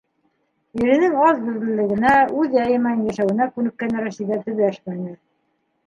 Иренең аҙ һүҙлелегенә, үҙ яйы менән йәшәүенә күнеккән Рәшиҙә төбәшмәне.